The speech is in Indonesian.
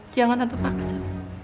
jangan tante maksa